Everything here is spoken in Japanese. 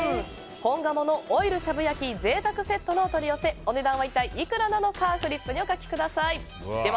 本鴨のオイルしゃぶ焼き贅沢セットのお取り寄せお値段は一体いくらなのかフリップにお書きください。